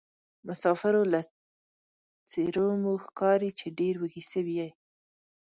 مسافرو له څېرومو ښکاري چې ډېروږي سوي یې.